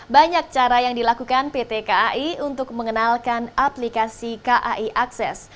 banyak cara yang dilakukan pt kai untuk mengenalkan aplikasi kai akses